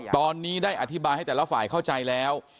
ตอนนี้ได้อธิบายให้แต่ละฝ่ายเข้าใจแล้ว